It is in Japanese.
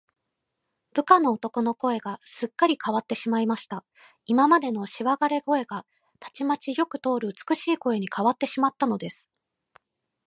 部下の男の声が、すっかりかわってしまいました。今までのしわがれ声が、たちまちよく通る美しい声にかわってしまったのです。